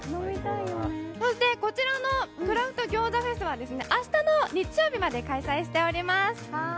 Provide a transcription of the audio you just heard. こちらのクラフト餃子フェスは、明日の日曜日まで開催しております。